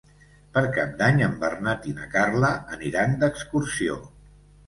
Per Cap d'Any en Bernat i na Carla aniran d'excursió.